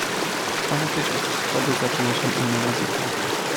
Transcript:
"Tam gdzieś od wschodu zaczyna się inna muzyka."